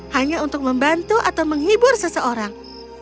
hanya untuk membantu atau menghibur seseorang